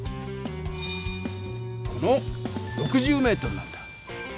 この６０ｍなんだ。